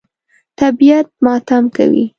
طبیعت ماتم کوي.